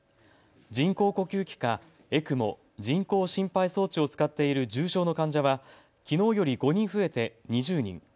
人工呼吸器かＥＣＭＯ・人工心肺装置を使っている重症の患者はきのうより５人増えて２０人。